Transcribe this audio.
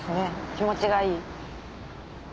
気持ちがいい。